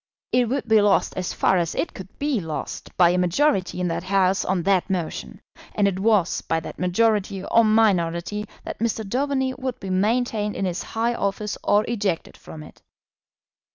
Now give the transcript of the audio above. It would be lost as far as it could be lost by a majority in that House on that motion; and it was by that majority or minority that Mr. Daubeny would be maintained in his high office or ejected from it.